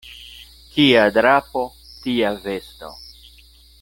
Kia drapo, tia vesto.